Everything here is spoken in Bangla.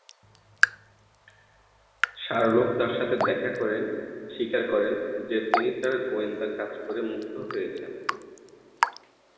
শার্লক তার সাথে দেখা করেন স্বীকার করেন যে তিনি তার গোয়েন্দা কাজ দেখে মুগ্ধ হয়েছেন।